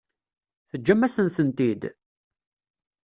Teǧǧam-asen-tent-id?